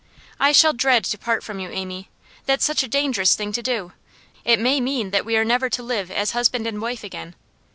'I shall dread to part from you, Amy. That's such a dangerous thing to do. It may mean that we are never to live as husband and wife again.